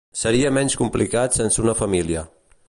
Seria menys complicat sense una família.